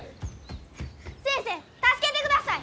先生助けてください！